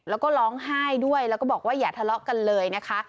แล้วก็ร้องไห้ด้วยแล้วก็บอกว่าอย่าทะเลาะกันเลยนะคะ